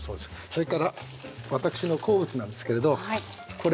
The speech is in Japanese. それから私の好物なんですけれどこれもそうなんです。